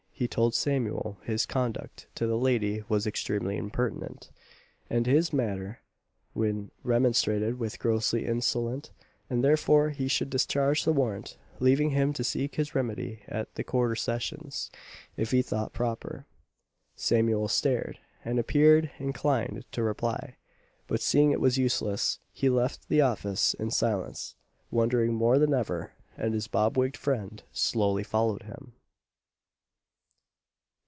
He told Samuel, his conduct to the lady was extremely impertinent; and his manner, when remonstrated with, grossly insolent; and therefore he should discharge the warrant, leaving him to seek his remedy at the Quarter Sessions, if he thought proper. Samuel stared, and appeared inclined to reply, but seeing it was useless, he left the office in silence, wondering more than ever; and his bob wigg'd friend slowly followed him.